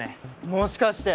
もしかして。